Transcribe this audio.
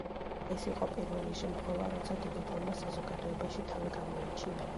ეს იყო პირველი შემთხვევა, როცა დედოფალმა საზოგადოებაში თავი გამოიჩინა.